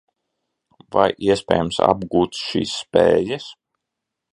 Vai iespējams apgūt šīs spējas?